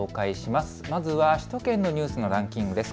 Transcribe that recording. まずは首都圏のニュースのランキングです。